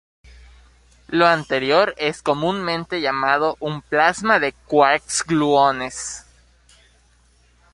Lo anterior es comúnmente llamado un "plasma de quarks-gluones".